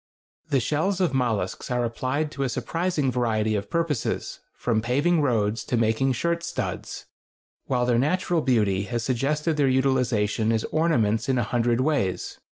The shells of mollusks are applied to a surprising variety of purposes, from paving roads to making shirt studs, while their natural beauty has suggested their utilization as ornaments in a hundred ways.